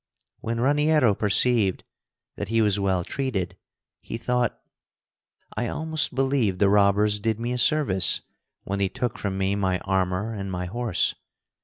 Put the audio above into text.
When Raniero perceived that he was well treated, he thought: "I almost believe the robbers did me a service when they took from me my armor and my horse.